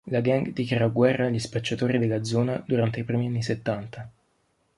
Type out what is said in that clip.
La gang dichiarò "guerra" agli spacciatori della zona durante i primi anni settanta.